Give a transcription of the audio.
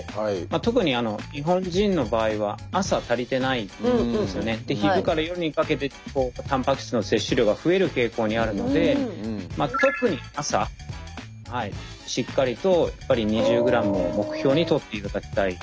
推奨量っていうお話があったんですけれどもで昼から夜にかけてたんぱく質の摂取量が増える傾向にあるので特に朝しっかりとやっぱり２０ｇを目標にとっていただきたい。